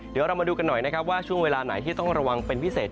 เดี๋ยวเรามาดูกันหน่อยนะครับว่าช่วงเวลาไหนที่ต้องระวังเป็นพิเศษ